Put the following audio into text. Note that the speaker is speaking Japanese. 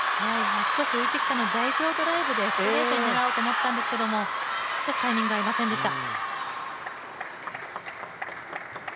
少し浮いてきたので、台上ドライブでストレートに狙おうと思ったんですけれども、少しタイミングが合いませんでした。